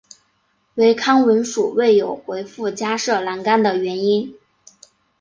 唯康文署未有回覆加设栏杆的原因。